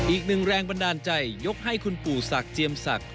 อีกหนึ่งแรงบันดาลใจยกให้คุณปู่ศักดิ์เจียมศักดิ